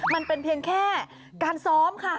มันเป็นเพียงแค่การซ้อมค่ะ